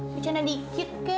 bisa sedikit kak